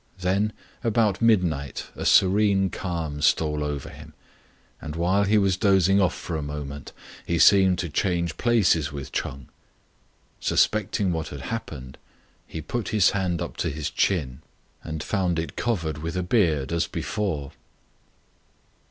Then about midnight a serene calm stole over him; and while he was dozing off for a moment, he seemed to change places with Ch'eng. Suspecting what had happened, he put his hand up to his chin, and found it covered with a beard as before.